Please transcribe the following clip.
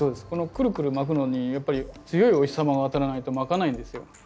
このくるくる巻くのにやっぱり強いお日様が当たらないと巻かないんですよ。